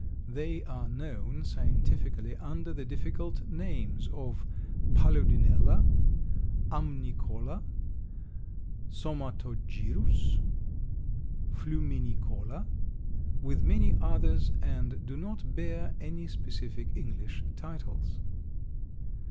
They are known scientifically under the difficult names of Paludinella, Amnicola, Somatogyrus, Fluminicola, with many others, and do not bear any specific English titles.